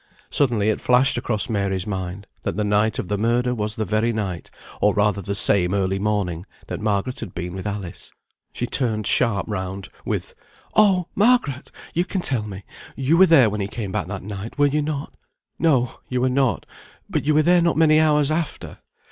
Suddenly it flashed across Mary's mind, that the night of the murder was the very night, or rather the same early morning, that Margaret had been with Alice. She turned sharp round, with "Oh! Margaret, you can tell me; you were there when he came back that night; were you not? No! you were not; but you were there not many hours after.